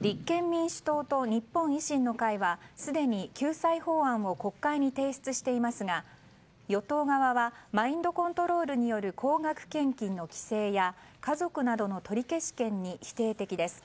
立憲民主党と日本維新の会はすでに救済法案を国会に提出していますが与党側はマインドコントロールによる高額献金の規制や家族などの取り消し権に否定的です。